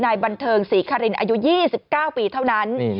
นายบันเทิงศรีคารินอายุ๒๙ปีเท่านั้น